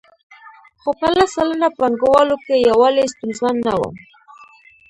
خو په لس سلنه پانګوالو کې یووالی ستونزمن نه وو